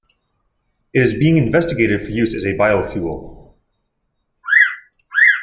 It is being investigated for use as a biofuel.